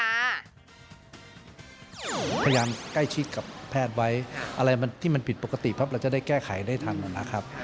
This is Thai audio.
พยายามใกล้ชิดกับแพทย์ไว้อะไรที่มันผิดปกติเพราะเราจะได้แก้ไขได้ทันนะครับ